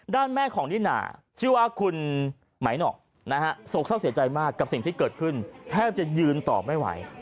แม่ของนิน่าชื่อว่าคุณไหมหนอกนะฮะโศกเศร้าเสียใจมากกับสิ่งที่เกิดขึ้นแทบจะยืนต่อไม่ไหว